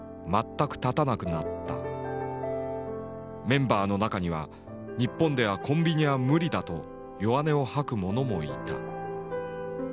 メンバーの中には「日本ではコンビニは無理だ」と弱音を吐く者もいた。